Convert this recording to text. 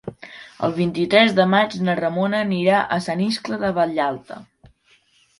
El vint-i-tres de maig na Ramona anirà a Sant Iscle de Vallalta.